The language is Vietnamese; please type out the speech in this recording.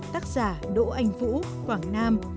tác giả đỗ anh vũ quảng nam